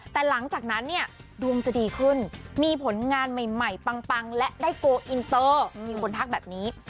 แต่หลังจากนั้นเนี่ยดวงจะดีขึ้นมีผลงานใหม่ปังและได้โกลอินเตอร์มีคนทักแบบนี้